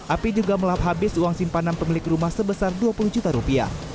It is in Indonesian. api juga melap habis uang simpanan pemilik rumah sebesar dua puluh juta rupiah